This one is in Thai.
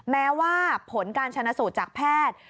แม้ว่าผลการชนะสูตรจากแพทย์